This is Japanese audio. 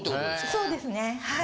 そうですねはい。